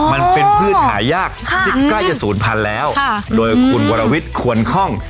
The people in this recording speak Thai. มันเป็นพืชหายากที่ใกล้จะศูนย์พันธุ์แล้วโดยคุณวรวิทย์ควรคล่อง